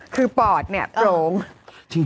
คือปอดเนี่ยโปร่ง